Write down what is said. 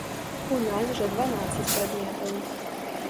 У нас жа дванаццаць прадметаў.